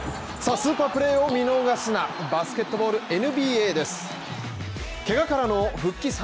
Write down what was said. スーパープレーを見逃すなバスケットボールＮＢＡです。